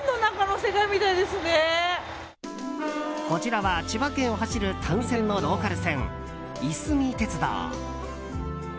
こちらは千葉県を走る単線のローカル線、いすみ鉄道。